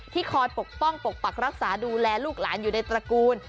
คอยปกป้องปกปักรักษาดูแลลูกหลานอยู่ในตระกูล